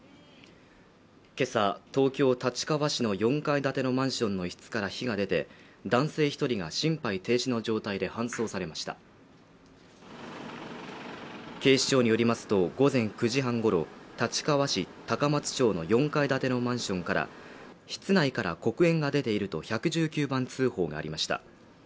今朝東京立川市の４階建てのマンションの一室から火が出て男性一人が心肺停止の状態で搬送されました警視庁によりますと午前９時半ごろ立川市高松町の４階建てのマンションから室内から黒煙が出ていると１１９番通報がありました